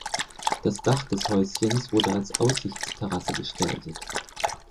Das Dach des Häuschens wurde als Aussichtsterrasse gestaltet.